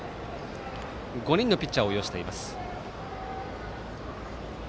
５人のピッチャーを擁しています。